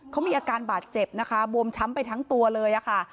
เขามีอาการบาดเจ็บนะคะบวมช้ำไปทั้งตัวเลยค่ะ